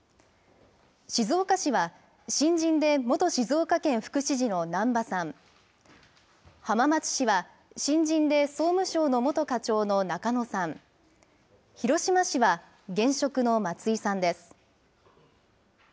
静岡市は、新人で元静岡県副知事の難波さん、浜松市は、新人で総務省の元課長の中野さん、広島市は、現職の松井さんです。